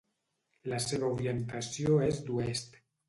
La seva orientació és d'oest.